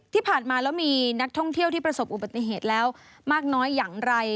ที่ผ่านมาแล้วมีนักท่องเที่ยวที่ประสบอุบัติเหตุแล้วมากน้อยอย่างไร